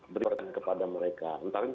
berikan kepada mereka